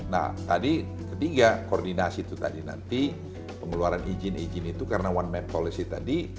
nah tadi ketiga koordinasi itu tadi nanti pengeluaran izin izin itu karena one map policy tadi